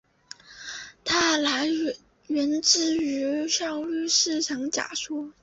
它源自于效率市场假说。